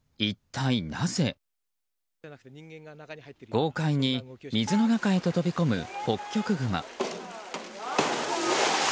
豪快に水の中へと飛び込むホッキョクグマ。